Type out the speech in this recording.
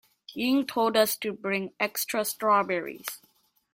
Ying told us to bring extra strawberries.